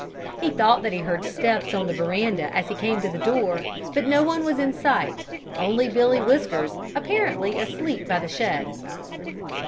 He thought that he heard steps on the veranda as he came to the door, but no one was in sight only Billy Whiskers, apparently asleep by the shed.